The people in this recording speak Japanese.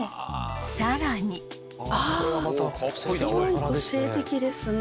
さらにああすごい個性的ですね